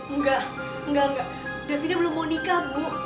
enggak enggak enggak davina belum mau nikah bu